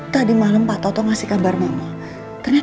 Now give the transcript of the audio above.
kamu mau lagi hanging hanging liver mengenai tudo sendiri